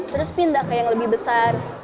terus pindah ke yang lebih besar